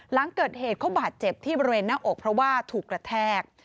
หลังเกิดเหตุเขาบาดเจ็บที่บริเวณหน้าอกเพราะว่าถูกกระแทก